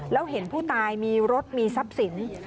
แล้วเห็นผู้ตายมีรถมีทรัพย์สิน